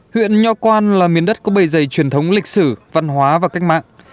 huyện nho quan là miền đất có bề dày truyền thống lịch sử văn hóa và cách mạng